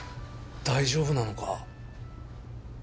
大丈夫なのか？